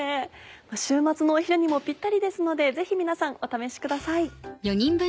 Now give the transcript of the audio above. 週末のお昼にもぴったりですのでぜひ皆さんお試しください。